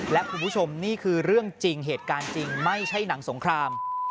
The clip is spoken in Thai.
และคุณผู้ชมนี่คือเรื่องจริงเหตุการณ์จริงไม่ใช่หนังสงคราม